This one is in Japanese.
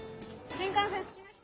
新幹線、好きな人？